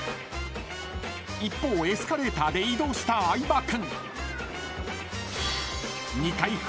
［一方エスカレーターで移動した相葉君］